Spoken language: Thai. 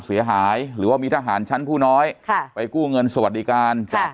เสียหายหรือว่ามีทหารชั้นผู้น้อยค่ะไปกู้เงินสวัสดิการจ้ะ